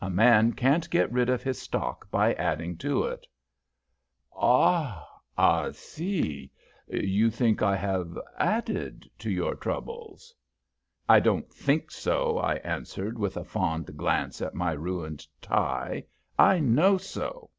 A man can't get rid of his stock by adding to it." "Ah, I see. You think I have added to your troubles?" "I don't think so," I answered, with a fond glance at my ruined tie. "I know so."